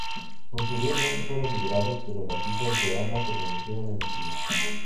Posteriormente fueron liberados, pero las hijas de Ana permanecieron en Hungría.